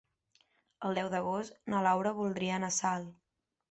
El deu d'agost na Laura voldria anar a Salt.